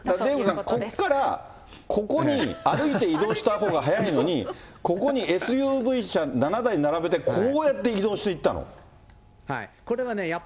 だからデーブさん、ここからここに歩いて移動したほうが速いのに、ここにＳＵＶ車７台並べて、こうやって移動していったの？